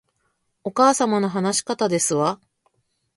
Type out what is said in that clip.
お母様の話し方ですわ